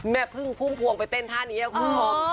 แม่พึ่งพุ่งพวงไปเต้นท่านี้ครับคุณผง